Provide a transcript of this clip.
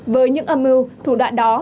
với những âm mưu thủ đoạn đó